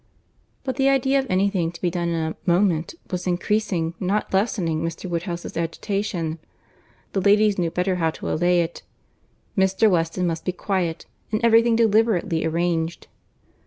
But the idea of any thing to be done in a moment, was increasing, not lessening, Mr. Woodhouse's agitation. The ladies knew better how to allay it. Mr. Weston must be quiet, and every thing deliberately arranged.